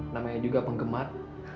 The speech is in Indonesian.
namanya juga penggemar